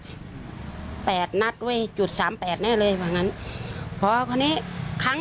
แต่มันถือปืนมันถือปืนห้อยมือมาอย่างเงี้ยมันไม่ได้ยิงแต่ไม่รู้นะแต่ตอนหลังมันจะยิงอะไรหรือเปล่าเราก็ไม่รู้นะ